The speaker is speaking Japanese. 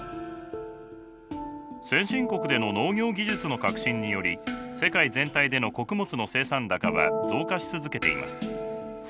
先進国での農業技術の革新により世界全体での穀物の生産高は増加し続けています。